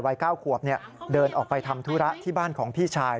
วัย๙ขวบเดินออกไปทำธุระที่บ้านของพี่ชาย